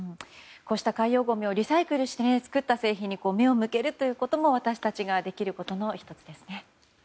こうした海洋ごみをリサイクルして作った製品に目を向けることも私たちができることの１つですね。